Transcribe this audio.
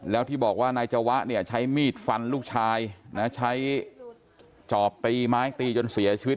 แล้วที่บอกว่านายจวะเนี่ยใช้มีดฟันลูกชายนะใช้จอบตีไม้ตีจนเสียชีวิต